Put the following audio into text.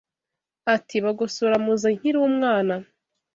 ati “Bagosora muzi nkiri umwana